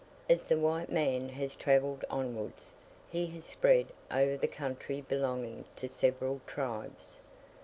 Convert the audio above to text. As the white man has travelled onwards, he has spread over the country belonging to several tribes.